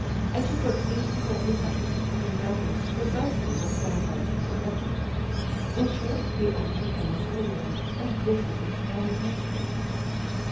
I took what pleased me of the subject (and that is, precisely what coincides with the legend). In short, the overture came into the world, and this is its family history."